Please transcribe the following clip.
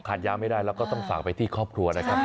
ยาไม่ได้แล้วก็ต้องฝากไปที่ครอบครัวนะครับ